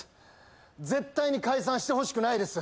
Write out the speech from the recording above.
絶対に解散してほしくないです。